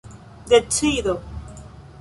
decido